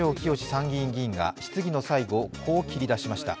参議院議員が、質疑の最後、こう切り出しました。